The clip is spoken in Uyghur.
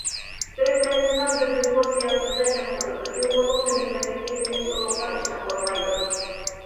تۈركمەنىستان بىر جۇڭگو سىياسىتىدە چىڭ تۇرىدۇ، جۇڭگونىڭ تىنچ بىرلىككە كېلىش ئۇلۇغۋار ئىشىنى قوللايدۇ.